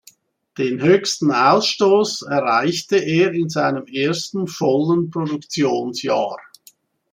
Den höchsten Ausstoß erreichte er in seinem ersten vollen Produktionsjahr.